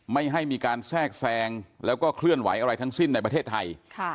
ไม่ให้มีการแทรกแซงแล้วก็เคลื่อนไหวอะไรทั้งสิ้นในประเทศไทย